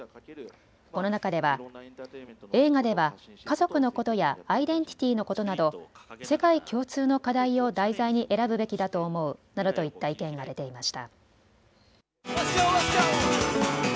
この中では映画では家族のことやアイデンティティーのことなど世界共通の課題を題材に選ぶべきだと思うなどといった意見が出ていました。